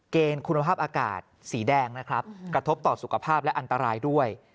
ณคุณภาพอากาศสีแดงนะครับกระทบต่อสุขภาพและอันตรายด้วย